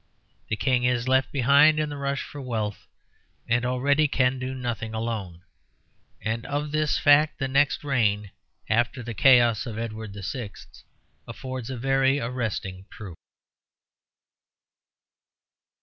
The King is left behind in the rush for wealth, and already can do nothing alone. And of this fact the next reign, after the chaos of Edward VI.'s, affords a very arresting proof.